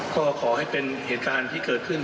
ก็ขอให้เป็นเหตุการณ์ที่เกิดขึ้น